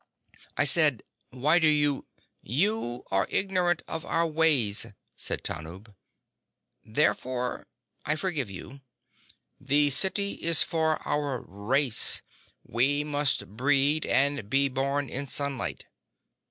"I said: Why do you—" "You are ignorant of our ways," said Tanub. "Therefore, I forgive you. The city is for our race. We must breed and be born in sunlight.